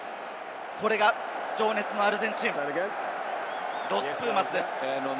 これが情熱のアルゼンチン、ロス・プーマスです。